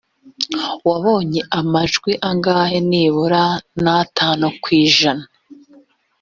wabonye amajwi angana nibura n atanu ku ijana